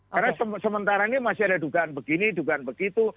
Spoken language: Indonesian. karena sementara ini masih ada dugaan begini dugaan begitu